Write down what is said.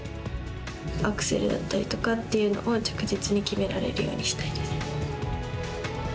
アクセルだったりとかっていうのは、着実に決められるようにしたいです。